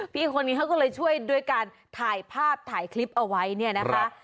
พี่คนนี้เขาก็เลยช่วยด้วยการถ่ายภาพถ่ายคลิปเอาไว้เนี่ยนะคะ